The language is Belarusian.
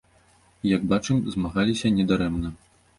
І, як бачым, змагаліся не дарэмна.